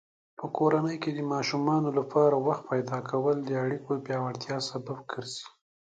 په کورنۍ کې د ماشومانو لپاره وخت پیدا کول د اړیکو پیاوړتیا سبب ګرځي.